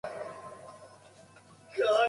ここは日本ですか？